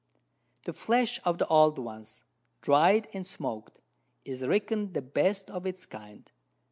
The Flesh of the old ones, dried and smoaked, is reckon'd the best of its kind.